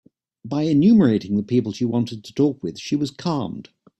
By enumerating the people she wanted to talk with, she was calmed.